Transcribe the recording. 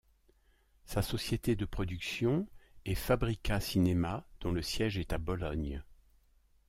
Sa société de production est Fabrica Cinema, dont le siège est à Bologne.